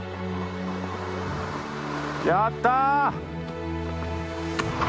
やった！